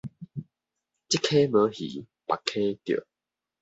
這溪無魚別溪釣